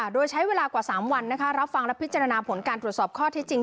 โดยใช้เวลากว่า๓วันรับฟังและพิจารณาผลการตรวจสอบข้อที่จริง